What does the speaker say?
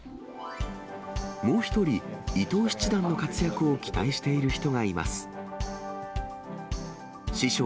もう１人、伊藤七段の活躍を期待している人がいます。